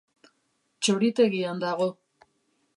Txoritegian dago.